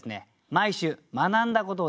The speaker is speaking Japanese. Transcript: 毎週学んだことをですね